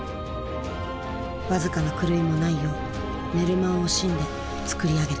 僅かな狂いもないよう寝る間を惜しんで作り上げた。